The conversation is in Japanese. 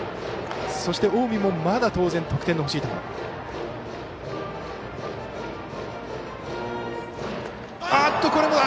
そして近江もまだ当然得点が欲しいところ。